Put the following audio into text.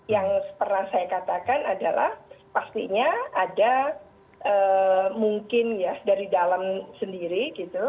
yang pernah saya katakan adalah pastinya ada mungkin ya dari dalam sendiri gitu